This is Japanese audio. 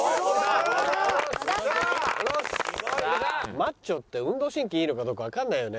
マッチョって運動神経いいのかどうかわかんないよね。